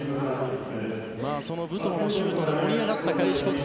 その武藤のシュートで盛り上がった開志国際。